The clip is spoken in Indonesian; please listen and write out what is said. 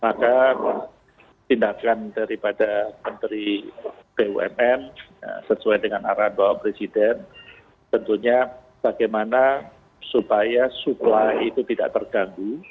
maka tindakan daripada menteri bumn sesuai dengan arahan bapak presiden tentunya bagaimana supaya supply itu tidak terganggu